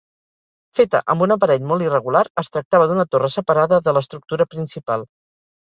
Feta amb un aparell molt irregular, es tractava d'una torre separada de l'estructura principal.